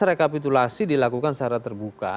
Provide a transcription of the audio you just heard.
rekapitulasi dilakukan secara terbuka